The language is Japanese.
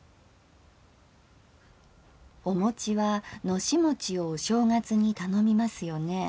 「お餅はのし餅をお正月に頼みますよね。